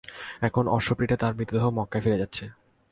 এখন অশ্ব পৃষ্ঠে তাঁর মরদেহ মক্কায় ফিরে যাচ্ছে।